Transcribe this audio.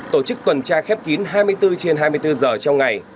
tổ chức tuần tra khép kín hai mươi bốn trên hai mươi bốn giờ trong ngày